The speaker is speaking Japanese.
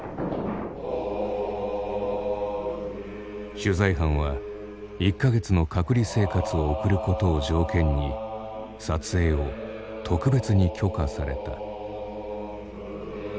取材班は１か月の隔離生活を送ることを条件に撮影を特別に許可された。